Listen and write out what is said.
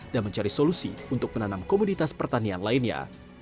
dan mencari solusi untuk menanam komoditas pertanian lainnya